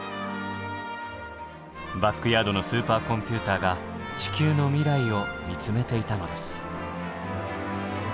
バックヤードのスーパーコンピューターが地球の未来を見つめていたのです。